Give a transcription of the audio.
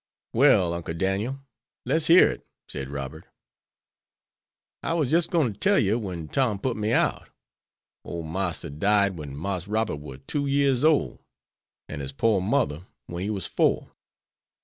"Well, Uncle Daniel, let's hear it," said Robert. "I was jes' gwine to tell yer when Tom put me out. Ole Marster died when Marse Robert war two years ole, and his pore mother when he war four.